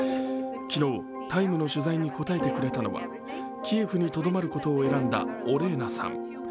昨日、「ＴＩＭＥ，」の取材に答えてくれたのはキエフにとどまることを選んだオレーナさん。